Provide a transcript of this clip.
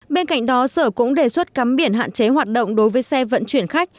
bên cạnh đó sở cũng đề xuất cấm biển hạn chế hoạt động đối với xe vận chuyển khách